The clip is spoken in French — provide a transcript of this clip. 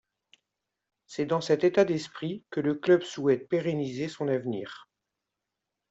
C'est dans cet état d'esprit que le club souhaite pérenniser son avenir.